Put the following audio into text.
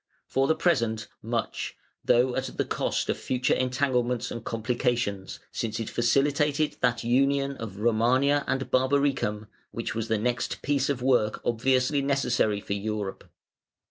For the present, much (though at the cost of future entanglements and complications), since it facilitated that union of "Romania" and "Barbaricum", which was the next piece of work obviously necessary for Europe.